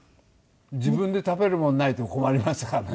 自分で食べるものないと困りますからね。